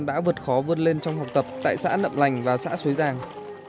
đã vượt khó vươn lên trong học tập tại xã nậm lành và xã suối giang